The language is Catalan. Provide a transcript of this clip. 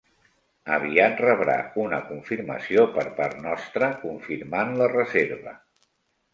Aviat rebrà una confirmació per part nostra confirmant la reserva.